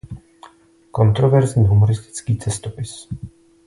Kontroverzní humoristický cestopis.